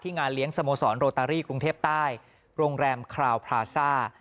งานเลี้ยงสโมสรโรตารี่กรุงเทพใต้โรงแรมคราวพราซ่า